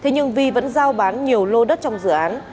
nhưng vi vẫn giao bán nhiều lô đất trong dự án